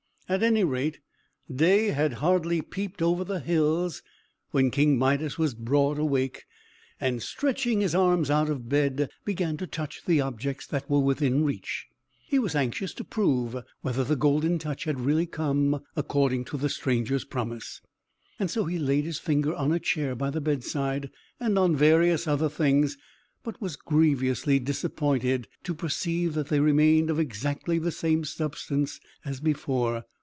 At any rate, day had hardly peeped over the hills, when King Midas was broad awake, and, stretching his arms out of bed, began to touch the objects that were within reach. He was anxious to prove whether the Golden Touch had really come, according to the stranger's promise. So he laid his finger on a chair by the bedside, and on various other things, but was grievously disappointed to perceive that they remained of exactly the same substance as before.